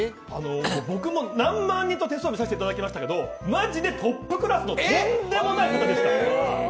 僕も何万人と手相、見させていただきましたけどマジでトップクラスのとんでもない方でした。